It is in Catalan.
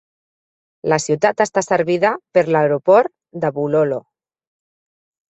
La ciutat està servida per l"Aeroport de Bulolo.